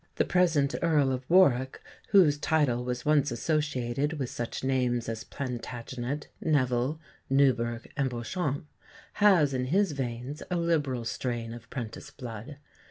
The present Earl of Warwick, whose title was once associated with such names as Plantagenet, Neville, Newburgh, and Beauchamp, has in his veins a liberal strain of 'prentice blood.